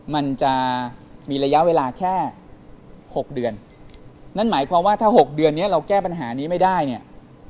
มันจะมีระยะเวลาแค่หกเดือนนั่นหมายความว่าถ้า๖เดือนนี้เราแก้ปัญหานี้ไม่ได้เนี่ย